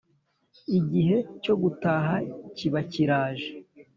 Igihe cyo gutaha kiba kiraje